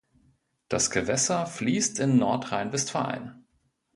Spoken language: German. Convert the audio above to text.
Das Gewässer fließt in Nordrhein-Westfalen.